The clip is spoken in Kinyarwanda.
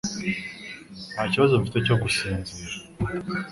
Nta kibazo mfite cyo gusinzira